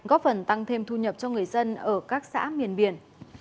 góp phần tăng thêm thu nhập cho người dân ở các xã miền biển